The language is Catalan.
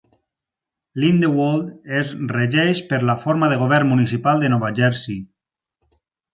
Lindenwold es regeix per la forma de govern municipal de Nova Jersey.